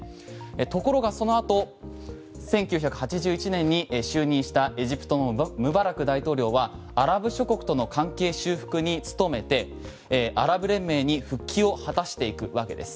ところが、その後１９８１年に就任したエジプトのムバラク大統領はアラブ諸国との関係修復に努めてアラブ連盟に復帰を果たしていくわけです。